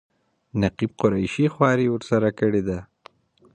نقیب قریشي خواري ورسره کړې ده.